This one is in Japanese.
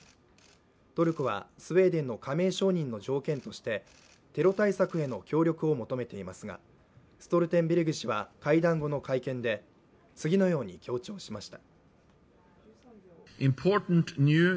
トルコはスウェーデンの加盟承認の条件としてテロ対策への協力を求めていますが、ストルテンベルグ氏は会談後の会見で次のように強調しました。